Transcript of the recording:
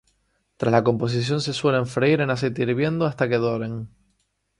Tras la composición se suelen freír en aceite hirviendo hasta que doren.